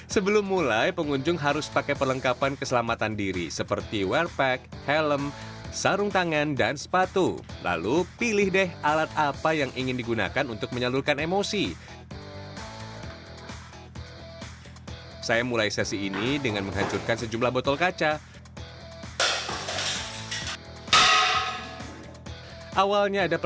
sampai jumpa di video selanjutnya